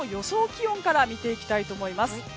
気温から見ていきたいと思います。